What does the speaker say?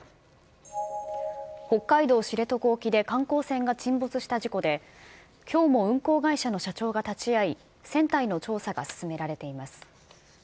北海道知床沖で観光船が沈没した事故で、きょうも運航会社の社長が立ち会い、船体の調査が進められています。